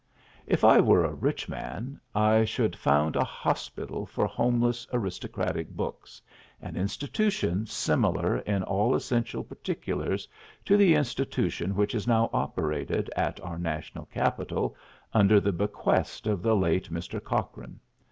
If I were a rich man I should found a hospital for homeless aristocratic books, an institution similar in all essential particulars to the institution which is now operated at our national capital under the bequest of the late Mr. Cochrane.